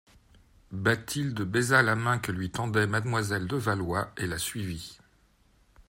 Bathilde baisa la main que lui tendait mademoiselle de Valois, et la suivit.